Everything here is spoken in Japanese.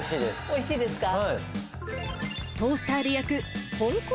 おいしいですか。